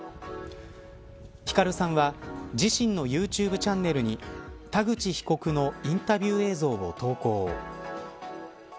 ヒカルさんは自身のＹｏｕＴｕｂｅチャンネルに田口被告のインタビュー映像を投稿。